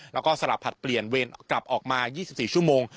แล้วก็สลับผลัดเปลี่ยนเวรกลับออกมา๒๔ชั่วโมง